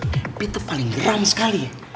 tapi itu paling geram sekali ya